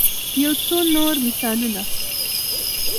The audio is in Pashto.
يو څو نور مثالونه